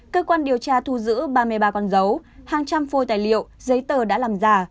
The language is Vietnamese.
cơ quan điều tra thu giữ ba mươi ba con dấu hàng trăm phôi tài liệu giấy tờ đã làm giả